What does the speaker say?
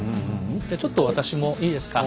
じゃちょっと私もいいですか？